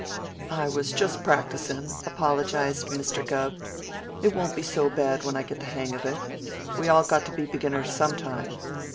"I was just practicin'," apologized Mr. Gubb. "It won't be so bad when I get the hang of it. We all got to be beginners sometime."